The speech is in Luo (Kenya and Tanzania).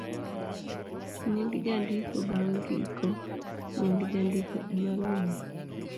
nying' jandiko.bang' giko ,nying' jandiko ema luwe